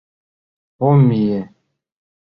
Ом мие.